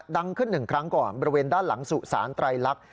ดังขึ้นหนึ่งครั้งก่อนบริเวณด้านหลังสุสานไตรลักษณ์